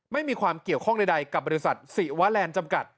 ไม่มีความเกี่ยวข้องใดกับบริษัทศิวาแลนด์จำกัด